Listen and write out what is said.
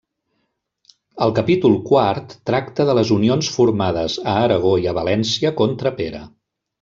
El capítol quart tracta de les Unions formades a Aragó i a València contra Pere.